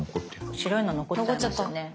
白いの残っちゃいますよね。